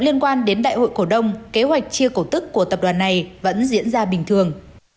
liên quan đến đại hội cổ đông kế hoạch chia cổ tức của tập đoàn này vẫn diễn ra bình thường